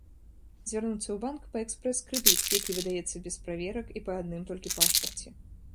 Звярнуцца ў банк па экспрэс-крэдыт, які выдаецца без праверак і па адным толькі пашпарце.